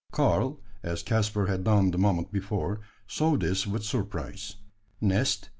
Karl, as Caspar had done the moment before, saw this with surprise. "Nest?"